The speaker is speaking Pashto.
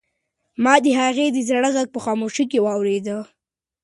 ما د هغې د زړه غږ په خاموشۍ کې واورېد.